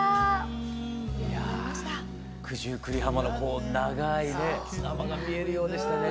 いや九十九里浜のこう長いね砂浜が見えるようでしたね。